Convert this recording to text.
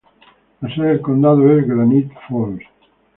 La sede del condado es Granite Falls.